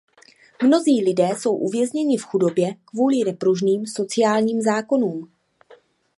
Mnozí lidé jsou uvězněni v chudobě kvůli nepružným sociálním zákonům.